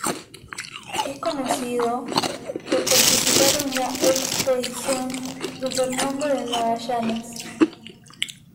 Es conocido por participar en la expedición de Fernando de Magallanes.